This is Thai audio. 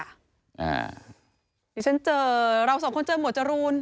เดี๋ยวฉันเจอเราสองคนเจอหมวดจรูน